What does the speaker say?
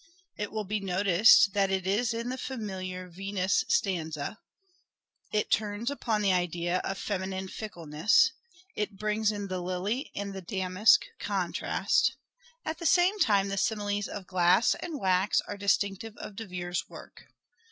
It will be noticed that it is in the familiar " Venus " stanza ; it turns upon the idea of feminine fickleness ; it brings in the lily and damask contrast ; at the same time the similes of glass and wax are distinctive of De Vere's work.